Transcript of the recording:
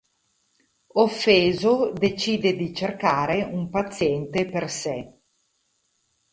Offeso, decide di cercare un paziente per sé.